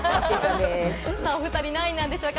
お２人、何位なんでしょうか？